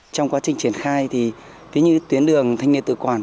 trong quá trình triển khai thì ví như tuyến đường thanh niên tự quản